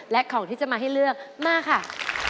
และของที่จะมาให้เลือกมาค่ะ